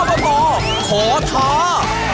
อเบอร์ตอร์ขอท้า